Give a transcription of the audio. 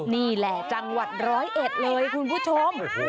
นี่แหละจังหวัดร้อยเอ็ดเลยคุณผู้ชม